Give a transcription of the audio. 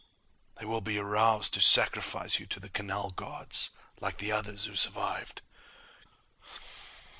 The will be aroused to sacrifice you to the Canal Gods, like the others who survived."